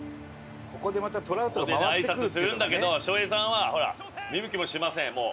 ここであいさつするんだけど翔平さんはほら見向きもしませんもう。